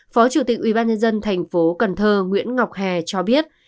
phó chủ tịch ubnd tp cần thơ nguyễn ngọc hè cho biết